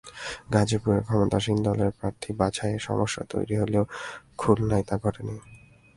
গাজীপুরে ক্ষমতাসীন দলের প্রার্থী বাছাইয়ে সমস্যা তৈরি হলেও খুলনায় তা ঘটেনি।